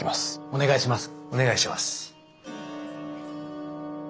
お願いします。